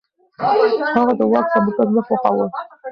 هغه د واک تمرکز نه خوښاوه.